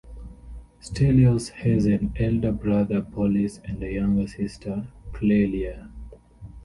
Stelios has an elder brother, Polys and a younger sister, Clelia.